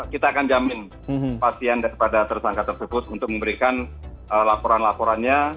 kita akan jamin pasien tersebut untuk memberikan laporan laporannya